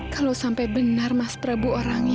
kalau sampai benar mas prabu orangnya